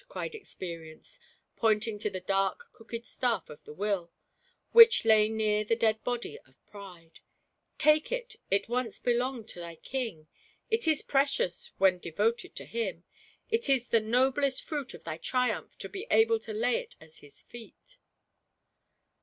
'* cried Experience, pointing to the dark, crooked staff of the Will, which lay near the dead body of Pride; "take it, it once belonged to thy King; it is precious when de voted to him, it is the noblest fruit of thy triumph to be able to lay it at his feet."